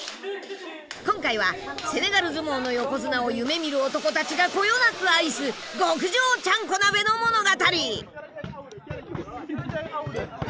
今回はセネガル相撲の横綱を夢みる男たちがこよなく愛す極上ちゃんこ鍋の物語。